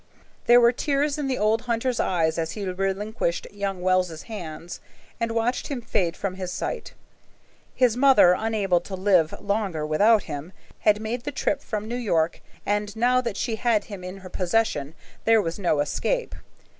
There were tears in the old hunter's eyes as he relinquished young Wells's hands and watched him fade from his sight. His mother, unable to live longer without him, had made the trip from New York, and now that she had him in her possession there was no escape.